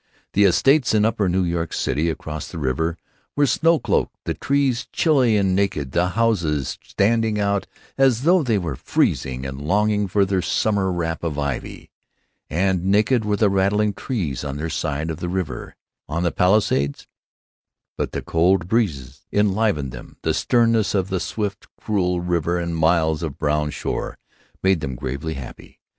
The estates in upper New York City, across the river, were snow cloaked, the trees chilly and naked, the houses standing out as though they were freezing and longing for their summer wrap of ivy. And naked were the rattling trees on their side of the river, on the Palisades. But the cold breeze enlivened them, the sternness of the swift, cruel river and miles of brown shore made them gravely happy.